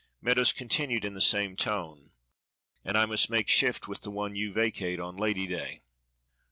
Meadows continued in the same tone, "And I must make shift with the one you vacate on Lady day."